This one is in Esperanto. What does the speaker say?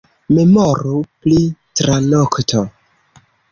Memoru pri tranokto.